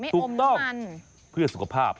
ถูกต้องเพื่อสุขภาพ